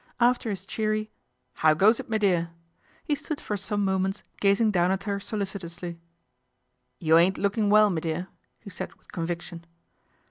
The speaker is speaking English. After his cheery " How goes it, me dear ?" he stood for some moments gazing down at her solicitously. ' You ain't lookin' well, me dear," he said with conviction.